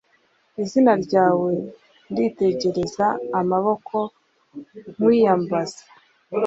izina ryawe nditegere amaboko nkwiyambaza